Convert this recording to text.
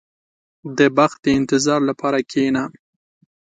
• د بخت د انتظار لپاره کښېنه.